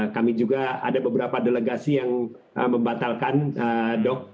kami juga ada beberapa delegasi yang membatalkan dok